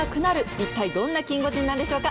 一体どんなキンゴジンなんでしょうか。